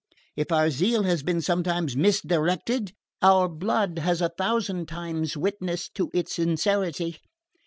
If our zeal has been sometimes misdirected, our blood has a thousand times witnessed to its sincerity.